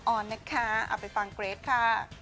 เอาไปฟังเกรทค่ะ